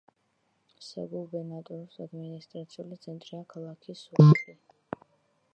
საგუბერნატოროს ადმინისტრაციული ცენტრია ქალაქი სუჰაგი.